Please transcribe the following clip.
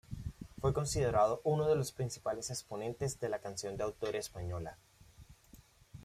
Fue considerado uno de los principales exponentes de la canción de autor española.